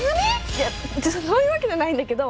いやそういうわけじゃないんだけど。